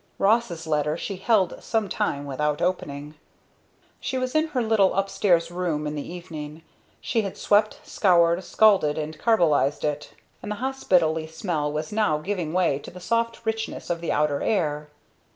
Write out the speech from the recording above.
Ross's letter she held some time without opening. She was in her little upstairs room in the evening. She had swept, scoured, scalded and carbolized it, and the hospitally smell was now giving way to the soft richness of the outer air.